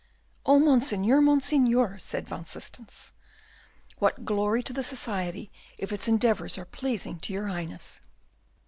"Oh, Monseigneur, Monseigneur!" said Van Systens, "what glory to the society if its endeavours are pleasing to your Highness!"